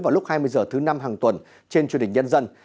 vào lúc hai mươi h thứ năm hàng tuần trên chương trình nhân dân